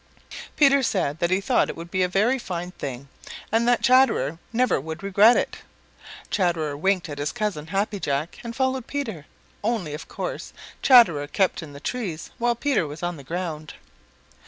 Peter said that he thought it would be a very fine thing and that Chatterer never would regret it. Chatterer winked at his cousin, Happy Jack, and followed Peter, only of course, Chatterer kept in the trees while Peter was on the ground.